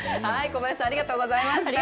小林さん、ありがとうございました。